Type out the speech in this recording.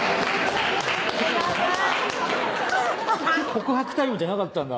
告白タイムじゃなかったんだ